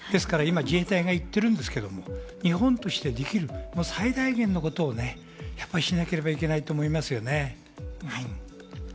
今、自衛隊が行ってるんですけれども、日本としてできる最大限のことをやっぱりしなければいけないと思いますよね。